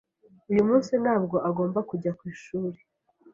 Uyu munsi ntabwo agomba kujya ku ishuri.